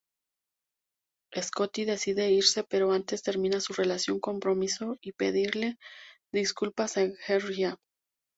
Scotty decide irse pero antes termina su relación, compromiso y pedirle disculpas a Georgia.